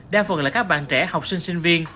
đa phần là các bạn trẻ học sinh sinh viên